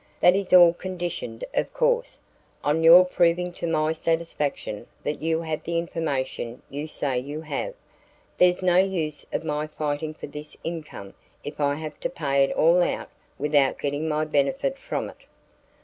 That is all conditioned, of course, on your proving to my satisfaction that you have the information you say you have. There's no use of my fighting for this income if I have to pay it all out without getting my benefit from it."